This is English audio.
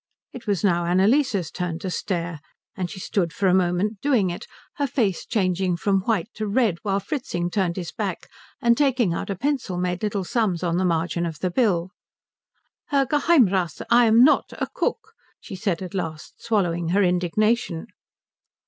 It was now Annalise's turn to stare, and she stood for a moment doing it, her face changing from white to red while Fritzing turned his back and taking out a pencil made little sums on the margin of the bill. "Herr Geheimrath, I am not a cook," she said at last, swallowing her indignation.